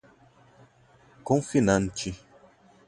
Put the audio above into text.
confinante